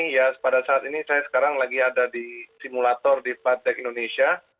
ya pada saat ini saya sekarang lagi ada di simulator di padek indonesia